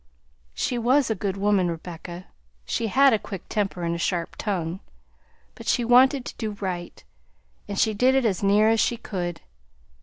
"She was a good woman, Rebecca; she had a quick temper and a sharp tongue, but she wanted to do right, and she did it as near as she could.